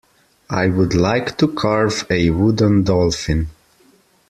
I would like to carve a wooden dolphin.